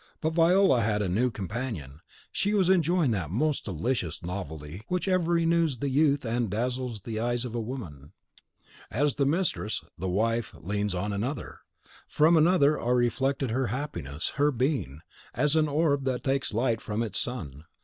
But Viola had a new companion; she was enjoying that most delicious novelty which ever renews the youth and dazzles the eyes of woman. As the mistress the wife she leans on another; from another are reflected her happiness, her being, as an orb that takes light from its sun.